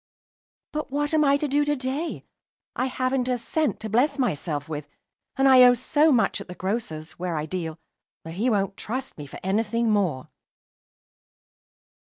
"But what I am to do to day? I haven't a cent to bless myself with; and I owe so much at the grocer's, where I deal, that he won't trust me for any thing more."